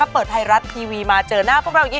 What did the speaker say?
เปิดไทยรัฐทีวีมาเจอหน้าพวกเราเยอะ